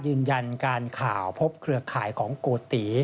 ยืนยันการข่าวพบเครือข่ายของโกติ